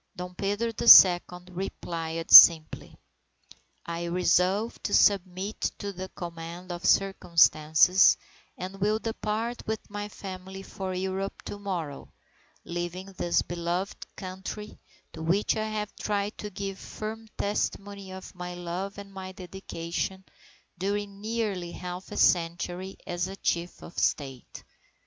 Dom Pedro the Second replied simply: "I resolve to submit to the command of circumstances and will depart with my family for Europe to morrow, leaving this beloved Country to which I have tried to give firm testimony of my love and my dedication during nearly half a century as chief of the State.